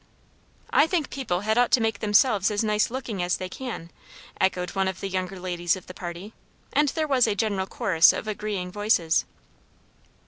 "I think people had ought to make themselves as nice lookin' as they can," echoed one of the younger ladies of the party; and there was a general chorus of agreeing voices.